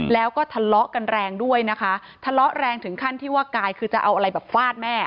แล้วก็ทะเลาะกันแรงด้วยนะคะทะเลาะแรงถึงขั้นที่ว่ากายคือจะเอาอะไรแบบฟาดแม่